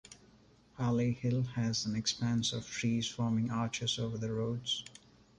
Pali Hill has an expanse of trees forming arches over the roads.